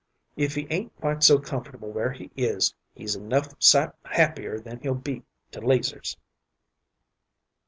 If he ain't quite so comfortable where he is, he's enough sight happier than he'll be to 'Leazer's."